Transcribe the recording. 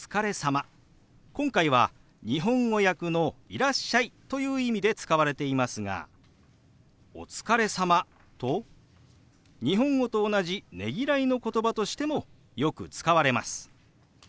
今回は日本語訳の「いらっしゃい」という意味で使われていますが「お疲れ様」と日本語と同じねぎらいのことばとしてもよく使われます。